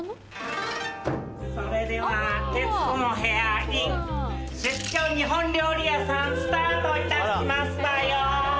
それでは『徹子の部屋』ｉｎ出張日本料理屋さんスタートいたしますわよ！